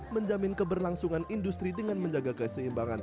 menjamin keberlangsungan industri dengan menjaga keseimbangan